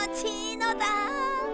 のだ！